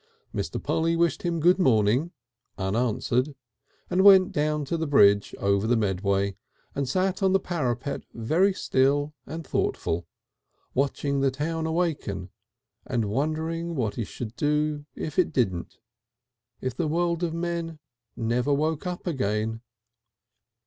Mr. Polly wished him "good morning" unanswered, and went down to the bridge over the Medway and sat on the parapet very still and thoughtful, watching the town awaken, and wondering what he should do if it didn't, if the world of men never woke again....